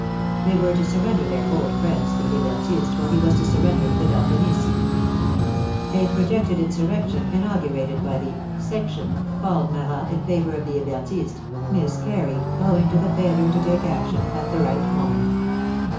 They were to surrender their old friends the Hebertists, while he was to surrender the Dantonists. A projected insurrection inaugurated by the " section " called " Ma rat," in favor of the Hebertists, miscarried, owing to the failure to take action at the right moment.